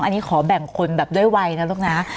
อันนี้ขอแบ่งคนแบบด้วยวัยนะลูกนะ